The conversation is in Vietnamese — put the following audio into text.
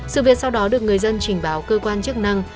sự việc sau đó được người dân trình báo cơ quan chức năng